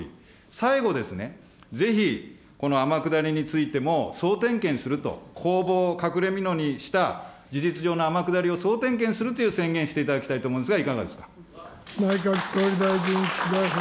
最後ですね、ぜひ、この天下りについても総点検すると、公募を隠れみのにした事実上の天下りを総点検するという宣言をしていただきたいと思うんですが、いかがですか。